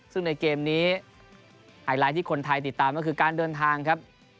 ซึ่งในเกมนี้ไฮไลท์ที่คนไทยติดตามก็คือการเดินทางครับ